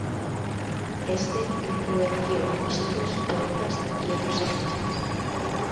Este influenció músicos, poetas y otros artistas.